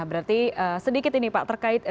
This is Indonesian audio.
berarti sedikit ini pak terkait